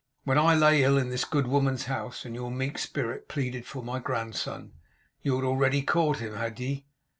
When I lay ill in this good woman's house and your meek spirit pleaded for my grandson, you had already caught him, had ye?